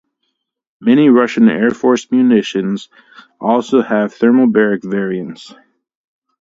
Many Russian Air Force munitions also have thermobaric variants.